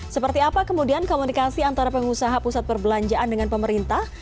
seperti apa kemudian komunikasi antara pengusaha pusat perbelanjaan dengan pemerintah